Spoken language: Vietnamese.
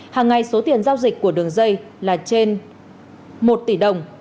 hàng ngày số tiền giao dịch của đường dây là trên một tỷ đồng